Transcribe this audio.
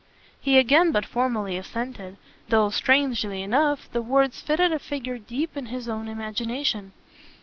He again but formally assented, though, strangely enough, the words fitted a figure deep in his own imagination.